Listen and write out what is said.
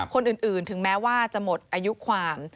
คนอื่นถึงแม้ว่าจะหมดอายุความ